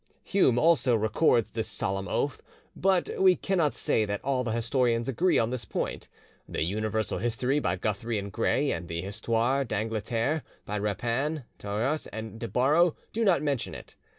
Hume also records this solemn oath, but we cannot say that all the historians agree on this point. 'The Universal History' by Guthrie and Gray, and the 'Histoire d'Angleterre' by Rapin, Thoyras and de Barrow, do not mention it.